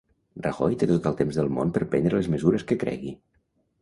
Rajoy té tot el temps del món per prendre les mesures que cregui